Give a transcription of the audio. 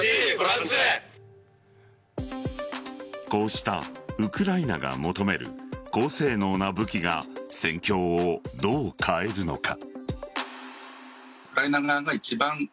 こうしたウクライナが求める高性能な武器が戦況をどう変えるのか。